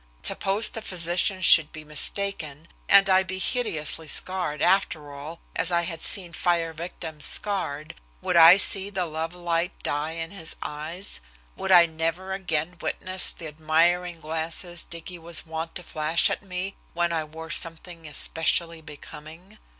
Suppose the physician should be mistaken, and I be hideously scarred, after all, as I had seen fire victims scarred, would I see the love light die in his eyes, would I never again witness the admiring glances Dicky was wont to flash at me when I wore something especially becoming?